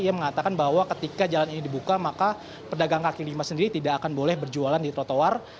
ia mengatakan bahwa ketika jalan ini dibuka maka pedagang kaki lima sendiri tidak akan boleh berjualan di trotoar